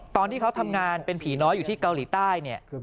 ตอนที่เขาทำงานเป็นผีน้อยอยู่ที่เกาหลีใต้เนี่ย